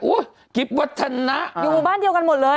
อุ้วกิฟต์วัฒนาอยู่หมู่บ้านเดียวกันหมดเลย